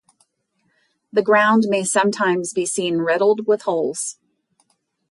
The ground may sometimes be seen riddled with holes.